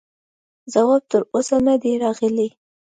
جواب تر اوسه نه دی راغلی.